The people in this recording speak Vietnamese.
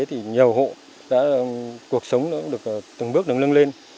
thì nhiều hộ đã cuộc sống được từng bước được lưng lên